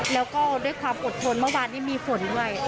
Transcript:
แล้วก็ด้วยความอดทนเมื่อวานนี้มีฝนด้วย